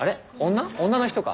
女の人か。